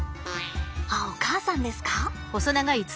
あっお母さんですか。